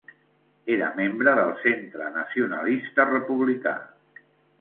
Era membre del Centre Nacionalista Republicà.